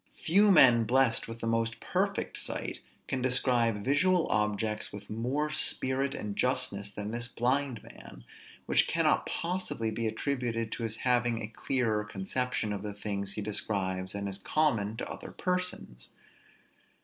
Few men blessed with the most perfect sight can describe visual objects with more spirit and justness than this blind man; which cannot possibly be attributed to his having a clearer conception of the things he describes than is common to other persons.